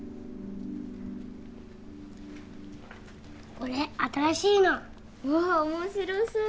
これ新しいのうわ面白そう！